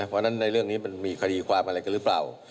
เพราะฉะนั้นในเรื่องนี้มันมีคดีความอะไรกันหรือเปล่า